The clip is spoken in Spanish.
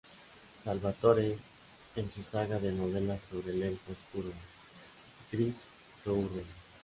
Salvatore en su saga de novelas sobre el Elfo Oscuro Drizzt Do'Urden.